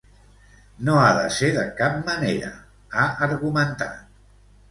"No ha de ser de cap manera", ha argumentat.